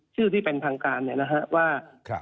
ชื่อที่เป็นทางการเนี่ยนะฮะว่า